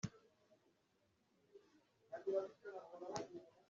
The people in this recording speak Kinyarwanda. abahuguwe bitezweho kuzagira uruhare rwabo mu kuyirandura